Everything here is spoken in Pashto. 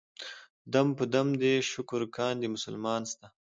دم په دم دې شکر کاندي مسلمان ستا.